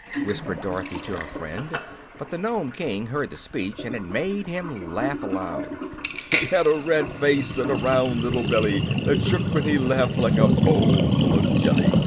whispered Dorothy to her friend; but the Nome King heard the speech, and it made him laugh aloud. "'He had a red face and a round little belly That shook when he laughed like a bowl full of jelly!'"